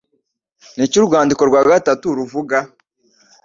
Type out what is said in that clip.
Niki Urwandiko rwa gatatu ruvuga